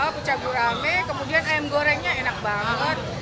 pucat gurame kemudian ayam gorengnya enak banget